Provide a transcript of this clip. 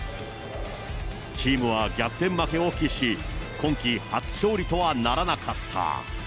チームは逆転負けを喫し、今季初勝利とはならなかった。